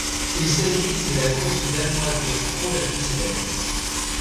Il s'agit de la course danoise de trot la plus célèbre.